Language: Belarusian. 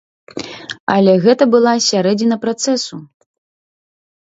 Але гэта была сярэдзіна працэсу.